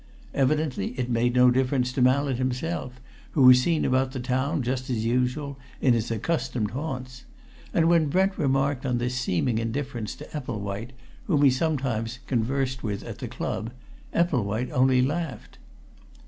Evidently it made no difference to Mallett himself, who was seen about the town just as usual, in his accustomed haunts. And when Brent remarked on this seeming indifference to Epplewhite, whom he sometimes conversed with at the Club, Epplewhite only laughed.